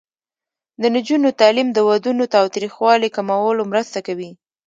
د نجونو تعلیم د ودونو تاوتریخوالي کمولو مرسته کوي.